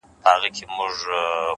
د ځان اصلاح ستره بریا ده.!